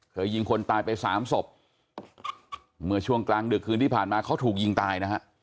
ยิงคนตายไปสามศพเมื่อช่วงกลางดึกคืนที่ผ่านมาเขาถูกยิงตายนะฮะ